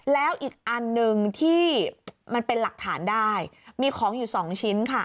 แล้วอีกอันหนึ่งที่มันเป็นหลักฐานได้มีของอยู่สองชิ้นค่ะ